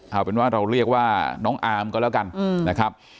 เอาเป็นว่าเราเรียกว่าน้องอามก็แล้วกัน